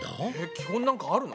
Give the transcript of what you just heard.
基本なんかあるの？